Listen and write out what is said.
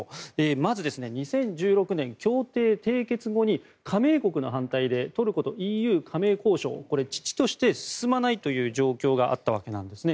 まず２０１６年、協定締結後に加盟国の反対でトルコとＥＵ加盟交渉が遅々として進まないという状況があったわけなんですね。